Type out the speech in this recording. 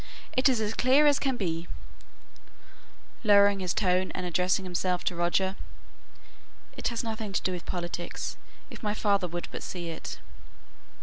It's as clear as can be," lowering his tone, and addressing himself to Roger; "it has nothing to do with politics, if my father would but see it."